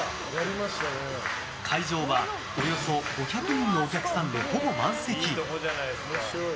会場は、およそ５００人のお客さんでほぼ満席。